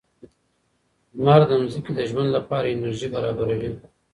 لمر د ځمکې د ژوند لپاره انرژي برابروي.